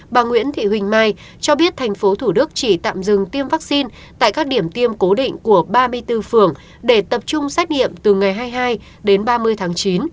bà nguyễn thị huỳnh mai cho biết tp thủ đức chỉ tạm dừng tiêm vaccine tại các điểm tiêm cố định của ba mươi bốn phường để tập trung xét nghiệm từ ngày hai mươi hai đến ba mươi tháng chín